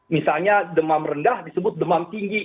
misalnya demam rendah disebut demam tinggi